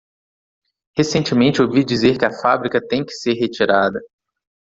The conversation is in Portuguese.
Recentemente ouvi dizer que a fábrica tem que ser retirada.